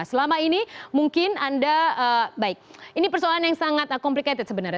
selama ini mungkin anda baik ini persoalan yang sangat komplikated sebenarnya